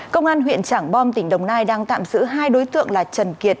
công an huyện trảng bom tỉnh đồng nai đang tạm giữ hai đối tượng là trần kiệt